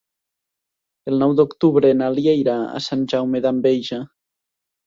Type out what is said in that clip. El nou d'octubre na Lia irà a Sant Jaume d'Enveja.